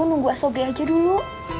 nunggu asobre aja dulu